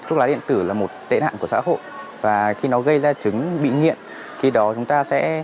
thuốc lá điện tử là một tệ nạn của xã hội và khi nó gây ra chứng bị nghiện thì đó chúng ta sẽ